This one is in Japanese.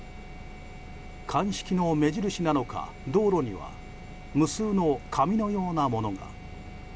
鑑識の目印なのか、道路には無数の紙のようなものが。